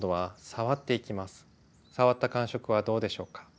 触った感触はどうでしょうか？